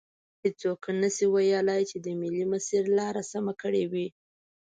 هیڅوک نشي ویلی چې د ملي مسیر لار سمه کړي وي.